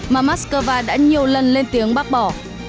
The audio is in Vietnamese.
mà moscow đã nhiều lần lên tiếng bác bỏ